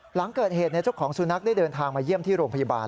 หลังเกิดเหตุเจ้าของสุนัขได้เดินทางมาเยี่ยมที่โรงพยาบาล